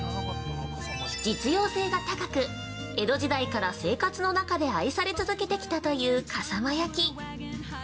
実用性が高く、江戸時代から生活の中で愛され続けてきたという笠間焼。